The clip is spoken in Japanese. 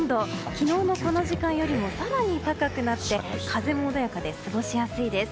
昨日のこの時間よりも更に高くなって風も穏やかで過ごしやすいです。